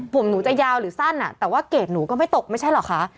ผมหนูจะยาวหรือสั้นแต่ว่าเกรดหนูก็ไม่ตกไม่ใช่เหรอคะ